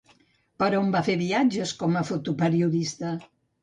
Per on va fer viatges com a fotoperiodista?